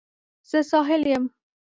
زه ساحل یم